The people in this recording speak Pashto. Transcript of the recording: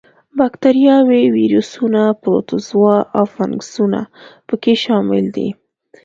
با کتریاوې، ویروسونه، پروتوزوا او فنګسونه په کې شامل دي.